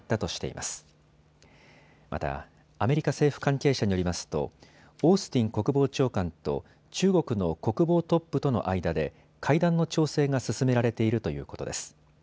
また、アメリカ政府関係者によりますとオースティン国防長官と中国の国防トップとの間で会談の調整が進められているということです。